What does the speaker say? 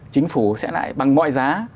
chính phủ sẽ lại bằng mọi giá